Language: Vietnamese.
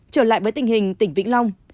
trở lại với tình hình tỉnh vĩnh long